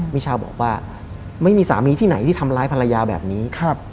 มิชาบอกว่าไม่มีสามีที่ไหนที่ทำร้ายภรรยาแบบนี้